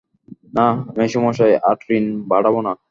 না মেসোমশায় আর ঋণ বাড়াব না।